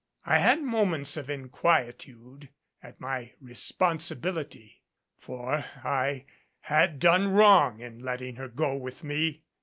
I had moments of inquietude at my responsibility, for I had done wrong in letting her go with me.